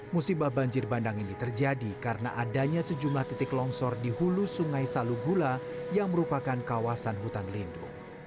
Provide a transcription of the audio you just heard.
musibah banjir bandang ini terjadi karena adanya sejumlah titik longsor di hulu sungai salugula yang merupakan kawasan hutan lindung